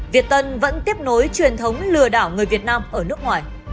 việt tân vẫn tiếp nối truyền thống lừa đảo người việt nam ở nước ngoài